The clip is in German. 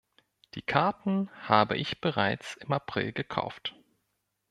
Die Karten habe ich bereits im April gekauft.